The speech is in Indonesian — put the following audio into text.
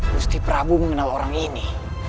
mesti prabu mengenal orang ini